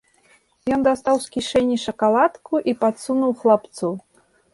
Ён дастаў з кішэні шакаладку і падсунуў хлапцу.